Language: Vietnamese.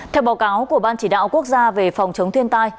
theo báo cáo của ban chỉ đạo quốc gia về phòng chống thiên tai